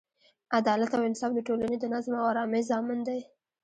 عدالت او انصاف د ټولنې د نظم او ارامۍ ضامن دی.